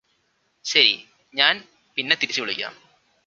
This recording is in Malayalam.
ശരി ഞാന് പിന്നെ തിരിച്ചു വിളിക്കാം